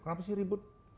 kenapa sih ribut